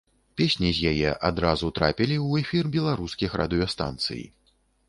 Песні з яе адразу трапілі у эфір беларускіх радыёстанцый.